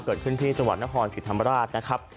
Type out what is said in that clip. เกิดขึ้นที่จังหวัดนครศรีธรรมราชนะครับ